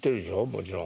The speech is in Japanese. もちろん。